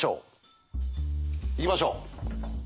行きましょう。